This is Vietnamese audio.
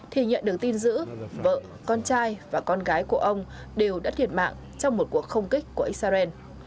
thì nhận được tin giữ vợ con trai và con gái của ông đều đã thiệt mạng trong một cuộc không kích của israel